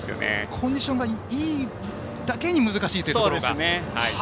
コンディションがいいだけに難しいということが。